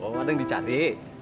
oh ada yang dicari